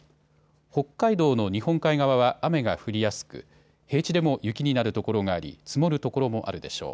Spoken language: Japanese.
北海道の日本海側は雨が降りやすく平地でも雪になるところがあり積もる所もあるでしょう。